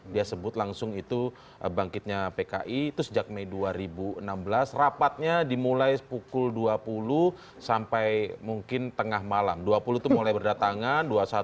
dia sebut langsung itu bangkitnya pki itu sejak mei dua ribu enam belas rapatnya dimulai pukul dua puluh sampai mungkin tengah malam dua puluh itu mulai berdatangan dua puluh satu